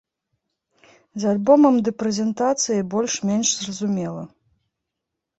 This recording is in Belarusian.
З альбомам ды прэзентацыяй больш-менш зразумела.